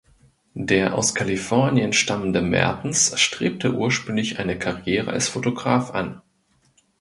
Der aus Kalifornien stammende Mertens strebte ursprünglich eine Karriere als Fotograf an.